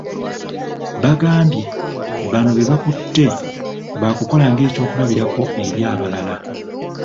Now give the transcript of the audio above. Bagambye bano bebakutte baakukola ng'ekyokulabirako eri abalala.